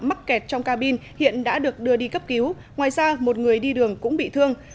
mắc kẹt trong cabin hiện đã được đưa đi cấp cứu ngoài ra một người đi đường cũng bị thương